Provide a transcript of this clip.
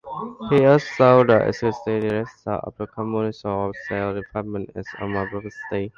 He is also the executive director of the Commercial Sales Department at Emaar Properties.